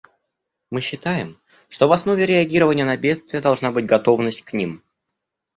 Мы считаем, что в основе реагирования на бедствия должна быть готовность к ним.